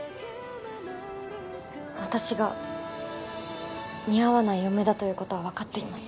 私が見合わない嫁だということは分かっています